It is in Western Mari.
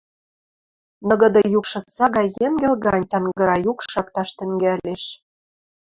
ныгыды юкшы сага йӹнгӹл гань тянгыра юк шакташ тӹнгӓлеш: